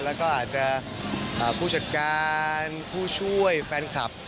แล้วก็อาจจะผู้จัดการผู้ช่วยแฟนคลับ